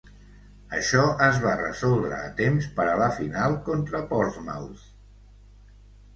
Això es va resoldre a temps per a la final contra Portsmouth.